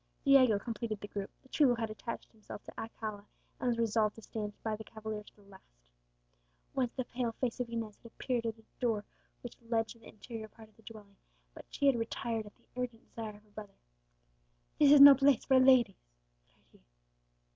Diego completed the group; the chulo had attached himself to Alcala, and was resolved to stand by the cavalier to the last. Once the pale face of Inez had appeared at a door which led to the interior part of the dwelling, but she had retired at the urgent desire of her brother. "This is no place for ladies!" cried he.